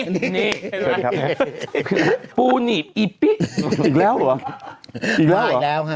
นี่นี่นี่ครับพูนีบอีปี้อีกแล้วหรออีกแล้วหรออีกแล้วหรอ